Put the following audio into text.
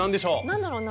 何だろうな。